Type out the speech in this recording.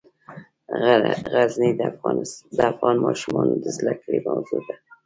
غزني د افغان ماشومانو د زده کړې موضوع ده.